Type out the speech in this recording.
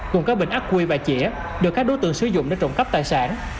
cùng các bình ác quy và chĩa được các đối tượng sử dụng để trộm cắp tài sản